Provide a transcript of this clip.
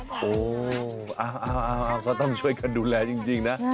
โอ้โหก็ต้องช่วยกันดูแลจริงนะ